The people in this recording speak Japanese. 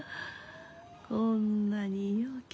こんなにようけ